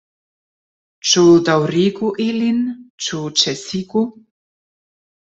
Ĉu daŭrigu ilin, ĉu ĉesigu?